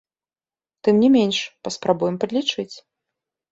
Тым не менш, паспрабуем падлічыць.